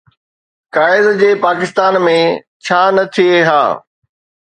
قائد جي پاڪستان ۾ ڇا نه ٿئي ها؟